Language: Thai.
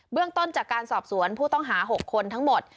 เรื่องต้นจากการสอบสวนผู้ต้องหา๖คนทั้งหมด